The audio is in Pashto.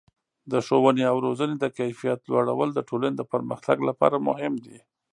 د ښوونې او روزنې د کیفیت لوړول د ټولنې د پرمختګ لپاره مهم دي.